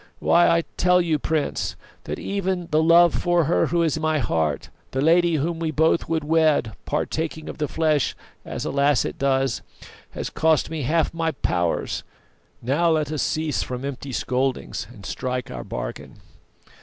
Why, I tell you, Prince, that even the love for her who is my heart, the lady whom we both would wed, partaking of the flesh as, alas! it does, has cost me half my powers. Now let us cease from empty scoldings, and strike our bargain.